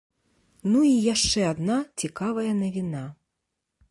Ну і яшчэ адна цікавая навіна.